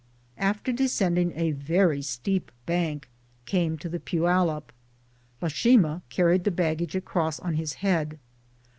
After descending a very steep bank came to the Poyallip. Lashima carried the baggage across on his head.